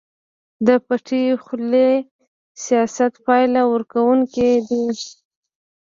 د پټې خولې سياست پايله ورکوونکی دی.